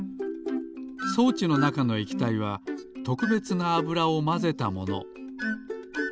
装置のなかの液体はとくべつなあぶらをまぜたもの。